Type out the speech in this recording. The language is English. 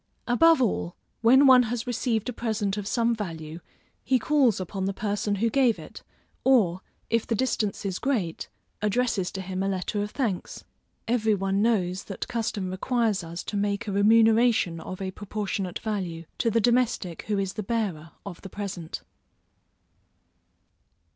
Above all, when one has received a present of some value, he calls upon the person who gave it, or, if the distance is great, addresses to him a letter of thanks. Every one knows that custom requires us to make a remuneration of a proportionate value, to the domestic who is the bearer of the present.